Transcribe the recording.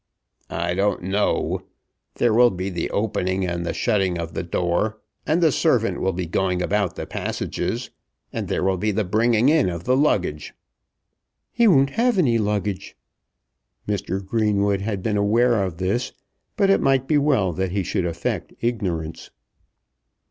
"I don't know. There will be the opening and the shutting of the door, and the servant will be going about the passages, and there will be the bringing in of the luggage." "He won't have any luggage." Mr. Greenwood had been aware of this; but it might be well that he should affect ignorance.